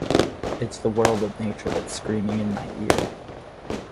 It’s the world of nature that’s screaming in my ear.